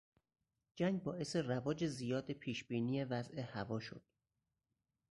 جنگ باعث رواج زیاد پیش بینی وضع هوا شد.